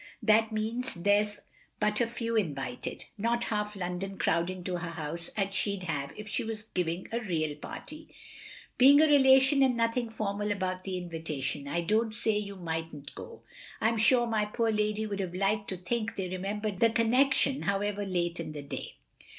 That means there's but a few invited; not half London crowding to her house as she 'd have if she was giving a real party. Being a relation and nothing formal about the invitation, I don't say you might n't go. I 'm sure my poor lady would have liked to think they remembered the corjiection however late in the day.